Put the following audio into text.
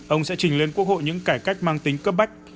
ông sẽ trình lên quốc hội những cải cách mang tính cấp bách